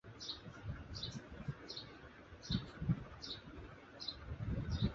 আয়োজক ট্রান্সভালের সদস্য ছিলেন তিনি।